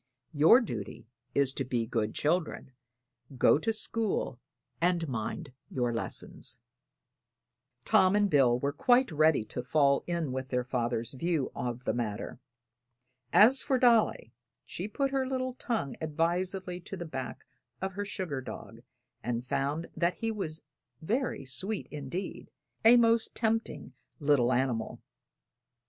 Your duty is to be good children, go to school and mind your lessons." Tom and Bill were quite ready to fall in with their father's view of the matter. As for Dolly, she put her little tongue advisedly to the back of her sugar dog and found that he was very sweet indeed a most tempting little animal.